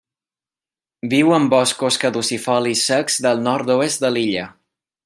Viu en boscos caducifolis secs del nord-oest de l'illa.